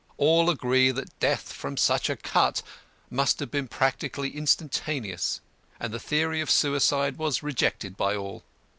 All agreed that death from such a cut must have been practically instantaneous, and the theory of suicide was rejected by all.